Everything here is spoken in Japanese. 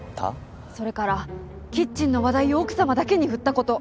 それからキッチンの話題を奥様だけに振ったこと。